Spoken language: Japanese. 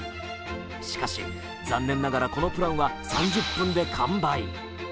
しかし、残念ながらこのプランは３０分で完売。